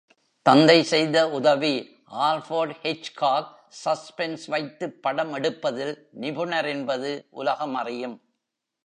தந்தை செய்த உதவி ஆல்பர்ட் ஹிச்காக், சஸ்பென்ஸ் வைத்துப் படம் எடுப்பதில் நிபுணர் என்பது உலகம் அறியும்.